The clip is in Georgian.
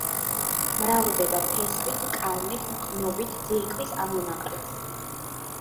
მრავლდება ფესვით, კალმით, მყნობით, ძირკვის ამონაყრით.